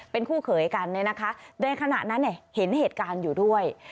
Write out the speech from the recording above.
เป็นคู่เขยกันเนี่ยนะคะในขณะนั้นเห็นเหตุการณ์อยู่ด้วย